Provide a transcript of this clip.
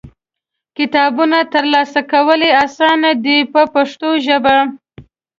کتابونه ترلاسه کول یې اسانه دي په پښتو ژبه.